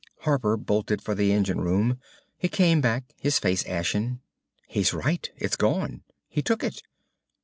_" Harper bolted for the engine room. He came back, his face ashen. "He's right. It's gone. He took it."